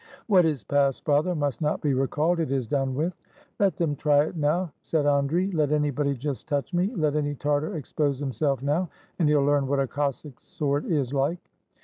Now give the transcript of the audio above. "What is past, father, must not be recalled: it is done with." "Let them try it now," said Andrii. "Let anybody just touch me, let any Tartar expose himself now, and he'll learn what a Cossack's sword is like!